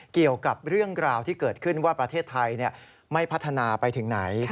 เกี่ยวกับเรื่องราวที่เกิดขึ้นว่าประเทศไทยไม่พัฒนาไปถึงไหน